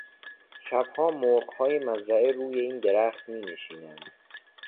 شبها مرغهای مزرعه روی این درخت مینشینند.